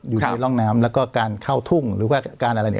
อยู่ในร่องน้ำแล้วก็การเข้าทุ่งหรือว่าการอะไรเนี่ย